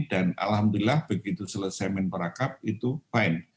dan alhamdulillah begitu selesai menpora cup itu fine